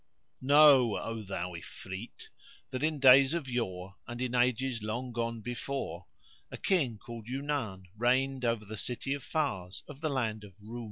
Know, O thou Ifrit, that in days of yore and in ages long gone before, a King called Yunan reigned over the city of Fars of the land of the Roum.